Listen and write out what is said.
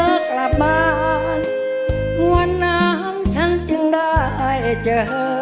กลับบ้านมวลน้ำฉันจึงได้เจอ